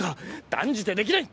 断じてできない！